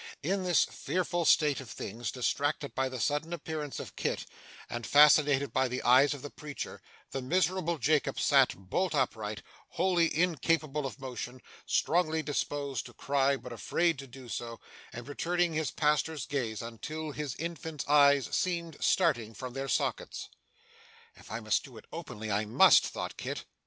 In this fearful state of things, distracted by the sudden appearance of Kit, and fascinated by the eyes of the preacher, the miserable Jacob sat bolt upright, wholly incapable of motion, strongly disposed to cry but afraid to do so, and returning his pastor's gaze until his infant eyes seemed starting from their sockets. 'If I must do it openly, I must,' thought Kit.